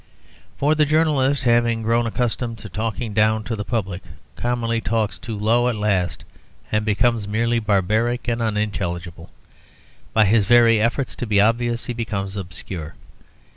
For the journalist, having grown accustomed to talking down to the public, commonly talks too low at last, and becomes merely barbaric and unintelligible. By his very efforts to be obvious he becomes obscure.